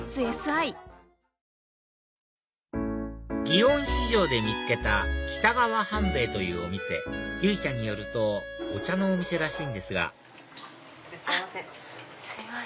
祇園四条で見つけた北川半兵衞というお店由依ちゃんによるとお茶のお店らしいんですがいらっしゃいませ。